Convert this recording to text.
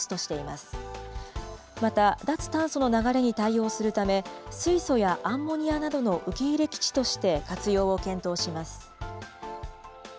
また、脱炭素の流れに対応するため、水素やアンモニアなどの受け入れ基地として活用を検討します。